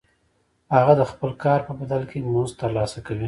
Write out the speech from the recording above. هغه د خپل کار په بدل کې مزد ترلاسه کوي